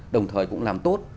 đồng thời cũng làm tốt